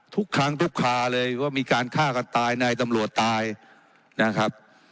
ทุกครั้งทุกคาเลยว่ามีการฆ่ากันตายในตำรวจตายนะครับ